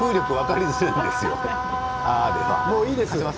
もういいです。